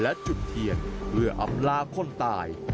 และจุดเทียนเพื่ออำลาคนตาย